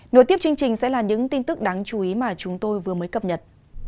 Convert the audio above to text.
nội tiếp chương trình sẽ là những tin tức đáng chú ý mà chúng tôi vừa mới cập nhật